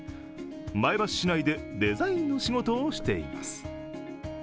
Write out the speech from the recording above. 前橋市内でデザインの仕事をしています。